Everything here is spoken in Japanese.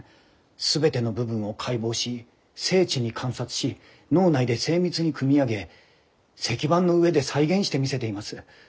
全ての部分を解剖し精緻に観察し脳内で精密に組み上げ石版の上で再現してみせています。